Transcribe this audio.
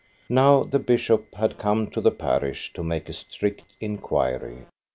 Now the bishop had come to the parish to make a strict inquiry.